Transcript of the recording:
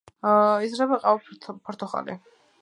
იზრდება ყავა, ფორთოხალი.